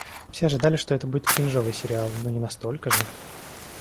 Все ожидали, что это будет кринжовый сериал, но не настолько же!